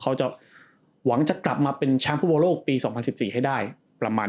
เขาจะหวังจะกลับมาเป็นปีสองพันสี่สี่ให้ได้ประมาณ